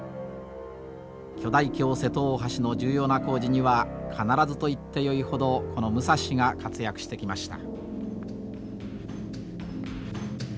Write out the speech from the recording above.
巨大橋瀬戸大橋の重要な工事には必ずといってよいほどこの武蔵が活躍してきました。